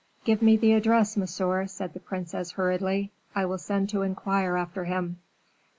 "Give me the address, monsieur," said the princess, hurriedly; "I will send to inquire after him."